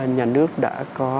nhà nước đã có